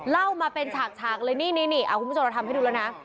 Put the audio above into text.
เล่ามาเป็นฉากเลยนี่คุณผู้ชมเราทำให้ดูแล้วนะ